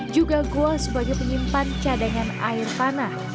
juga gua sebagai penyimpan cadangan air panah